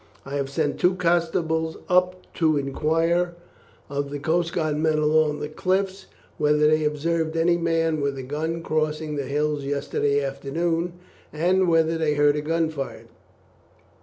I have sent two constables up to inquire of the coast guard men along the cliffs whether they observed any man with a gun crossing the hills yesterday afternoon, and whether they heard a gun fired.